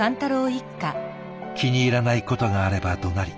気に入らないことがあればどなり